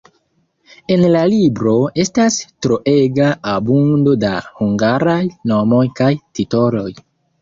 En la libro estas troega abundo da hungaraj nomoj kaj titoloj.